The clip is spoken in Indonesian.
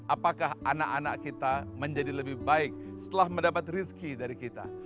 apakah anak anak kita menjadi lebih baik setelah mendapat rezeki dari kita